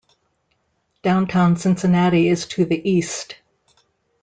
Downtown Cincinnati is to the east.